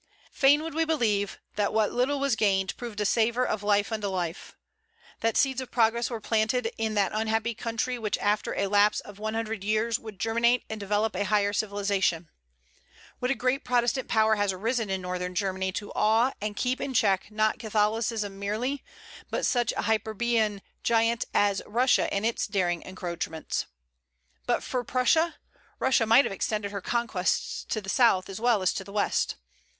Fain would we believe that what little was gained proved a savor of life unto life; that seeds of progress were planted in that unhappy country which after a lapse of one hundred years would germinate and develop a higher civilization. What a great Protestant power has arisen in northern Germany to awe and keep in check not Catholicism merely, but such a hyperborean giant as Russia in its daring encroachments. But for Prussia, Russia might have extended her conquests to the south as well as to the west.